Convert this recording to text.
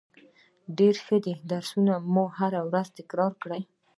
ډیره ښه ده درسونه مو هره ورځ تکرار کړئ